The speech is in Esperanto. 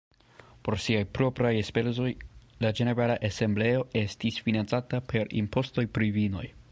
Por siaj propraj elspezoj, la ĝenerala Asembleo estis financata per impostoj pri vinoj.